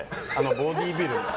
ボディービルは。